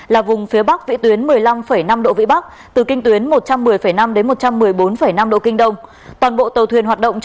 là vùng phía bắc vĩ tuyến một mươi năm năm độ vĩ bắc từ kinh tuyến một trăm một mươi năm đến một trăm một mươi km